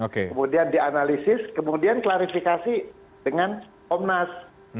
kemudian dianalisis kemudian klarifikasi dengan komnas